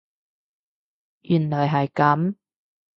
原來係咁